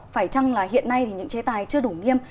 phải chăng là hiện nay thì những chế tài chưa đủ nghiêm